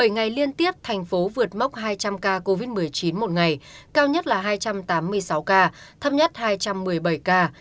bảy ngày liên tiếp thành phố vượt mốc hai trăm linh ca covid một mươi chín một ngày cao nhất là hai trăm tám mươi sáu ca thấp nhất hai trăm một mươi bảy ca